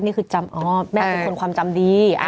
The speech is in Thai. นี่คือจำอ๋อแม่เป็นคนความจำดี